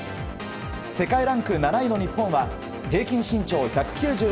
世界ランク７位の日本は平均身長１９１．４ｃｍ